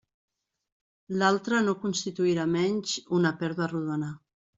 L'altra no constituirà menys una pèrdua rodona.